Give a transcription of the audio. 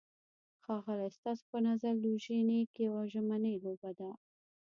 ښاغلی، ستاسو په نظر لوژینګ یوه ژمنی لوبه ده؟